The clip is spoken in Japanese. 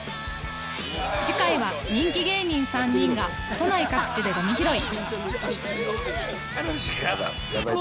次回は人気芸人３人が都内各地でごみ拾い